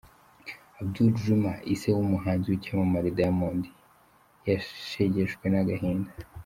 Abdul Juma Ise w’umuhanzi w’icyamamare Diamond yashegeshwe n’agahinda